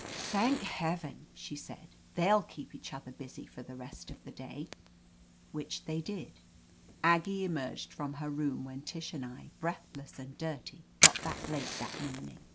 "Thank heaven r she said. "TheyTl keep each other busy for the rest of the day*" Which they did. ^.Aggie emerged from her room when Tish and I, breathless and dirty, got back late that morning.